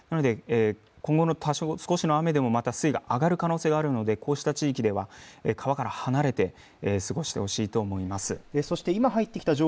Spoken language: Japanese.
今後の多少の雨でもまた水位が上がる可能性があるのでこうした地域では川から離れて過ごしてほしいと思います。